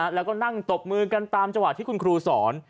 แล้วก็นั่งตบมือกันตามจังหวะที่คุณครูสอน